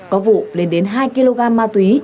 có vụ lên đến hai kg ma túy